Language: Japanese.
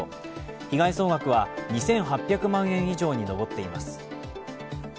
被害総額は２８００万円以上に上っています。